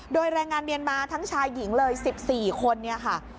โดยแรงงานเมียนมาทั้งชายหญิงเลย๑๔คนเนี่ยค่ะ